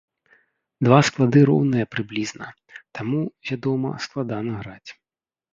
Два склады роўныя прыблізна, таму, вядома, складана граць.